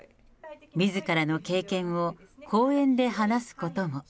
みずからの経験を公園で話すことも。